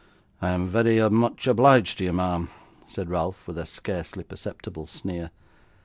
'I am very much obliged to you, ma'am,' said Ralph with a scarcely perceptible sneer.